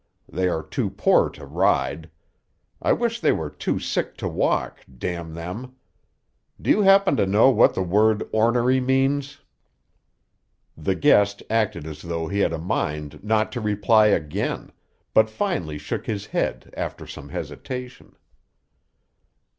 They are too poor to ride. I wish they were too sick to walk, damn them. Do you happen to know what the word ornery means?" The guest acted as though he had a mind not to reply again, but finally shook his head, after some hesitation.